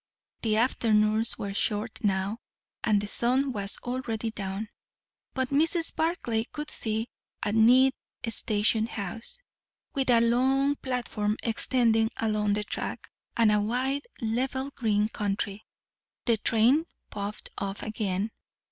The afternoons were short now, and the sun was already down; but Mrs. Barclay could see a neat station house, with a long platform extending along the track, and a wide, level, green country. The train puffed off again.